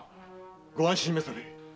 ご安心めされい。